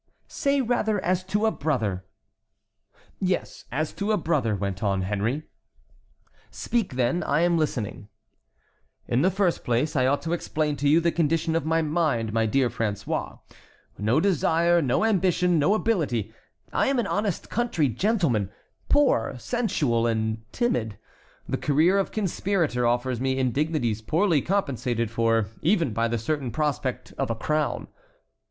"Say rather as to a brother." "Yes, as to a brother," went on Henry. "Speak, then, I am listening." "In the first place I ought to explain to you the condition of my mind, my dear François. No desire, no ambition, no ability. I am an honest country gentleman, poor, sensual, and timid. The career of conspirator offers me indignities poorly compensated for even by the certain prospect of a crown."